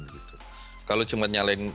gitu kalau cuman